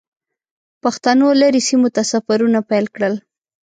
پښتنو لرې سیمو ته سفرونه پیل کړل.